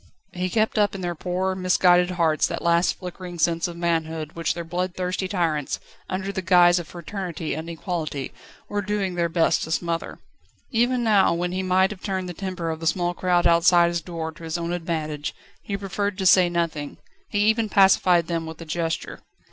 He kept up in their poor, misguided hearts that last flickering sense of manhood which their bloodthirsty tyrants, under the guise of Fraternity and Equality, were doing their best to smother. Even now, when he might have turned the temper of the small crowd outside his door to his own advantage, he preferred to say nothing; he even pacified them with a gesture.